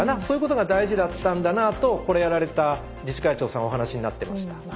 そういうことが大事だったんだなあとこれやられた自治会長さんお話しになってました。